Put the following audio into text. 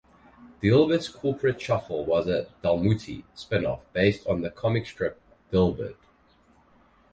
Dilbert's Corporate Shuffle was a "Dalmuti" spinoff based on the comic strip "Dilbert".